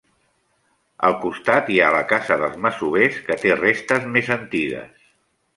Al costat hi ha la casa dels masovers que té restes més antigues.